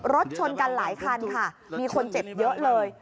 รถชนกันหลายคันค่ะมีคนเจ็บเยอะเลย